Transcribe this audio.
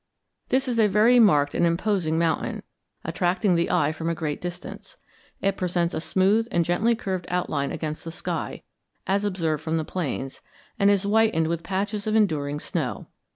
This is a very marked and imposing mountain, attracting the eye from a great distance. It presents a smooth and gently curved outline against the sky, as observed from the plains, and is whitened with patches of enduring snow.